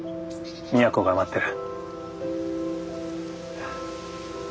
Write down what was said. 都が待ってる。